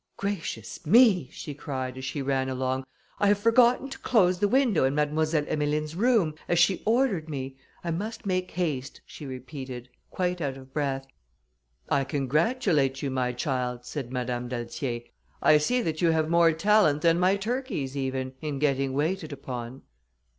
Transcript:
"Gracious me!" she cried, as she ran along, "I have forgotten to close the window in Mademoiselle Emmeline's room, as she ordered me. I must make haste," she repeated, quite out of breath. "I congratulate you, my child," said Madame d'Altier, "I see that you have more talent than my turkeys even, in getting waited upon."